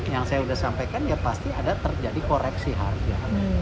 yang saya sudah sampaikan ya pasti ada terjadi koreksi harga